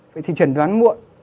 vậy thì chẩn đoán muộn